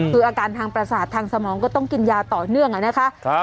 คืออาการทางประสาททางสมองก็ต้องกินยาต่อเนื่องนะคะ